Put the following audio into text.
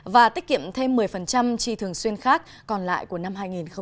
và tiết kiệm thêm một mươi chi thường xuyên khác còn lại của năm hai nghìn hai mươi